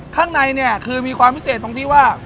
ข้างในเนี่ยคือมีความพิเศษตรงที่ว่า